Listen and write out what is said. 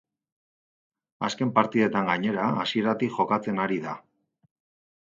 Azken partidetan gainera, hasieratik jokatzen ari da.